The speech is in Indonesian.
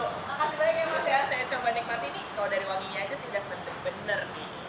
makasih banyak ya mas ya saya coba nikmati nih kalau dari wanginya itu sih gak sering bener